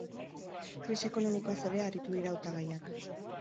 Krisi ekonomikoaz ere aritu dira hautagaiak.